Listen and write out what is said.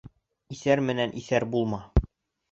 Иҫәр менән иҫәр булма.